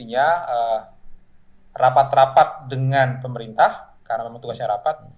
artinya rapat rapat dengan pemerintah karena memang tugasnya rapat